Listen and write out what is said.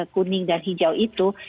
kuning dan hijau itu